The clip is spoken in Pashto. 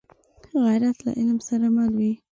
غیرت له علم سره مل وي